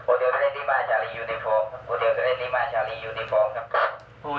โอเตียลเจริญริม่าจารียูนิฟอร์มครับ